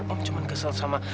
om cuman kesel sama